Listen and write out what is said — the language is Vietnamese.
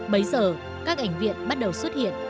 bấy giờ các ảnh viện bắt đầu xuất hiện